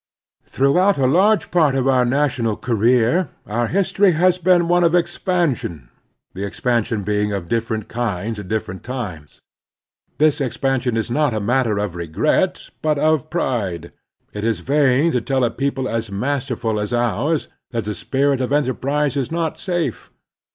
Throughout a large part of our national career our history has been one of expansion, the expan sion being of different kinds at different times. This expansion is not a matter of regret, but of pride. It is vain to tell a people as masterful as ours that the spirit of enterprise is not safe.